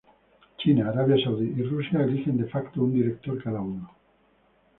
China, Arabia Saudí y Rusia eligen de facto un director cada uno.